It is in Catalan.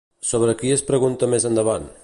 Sobre qui es pregunta més endavant?